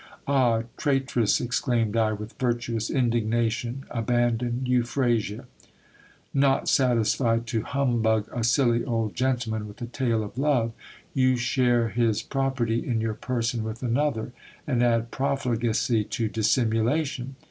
Ah ! traitress, exclaimed I with virtuous indignation, abandoned Euphrasia ! Not satisfied to humbug a silly old gentleman with a tale of love, you share his property in your person with another, and add profligacy to dissimulation